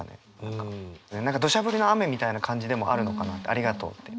何かどしゃ降りの雨みたいな感じでもあるのかなって「ありがとう」って。